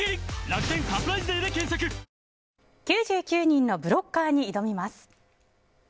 ９９人のブロッカーに挑みます。